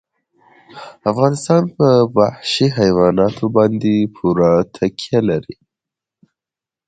افغانستان په وحشي حیواناتو باندې پوره تکیه لري.